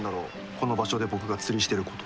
この場所で僕が釣りしてること。